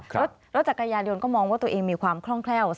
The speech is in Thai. รถจักรยานยนต์ก็มองว่าตัวเองมีความคล่องแคล่ว